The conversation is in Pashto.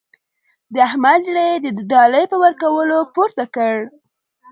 د احمد زړه يې د ډالۍ په ورکولو پورته کړ.